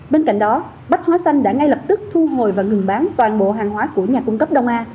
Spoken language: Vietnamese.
bên cạnh đó bách hóa xanh đã ngay lập tức thu hồi và ngừng bán toàn bộ hàng hóa của nhà cung cấp đông a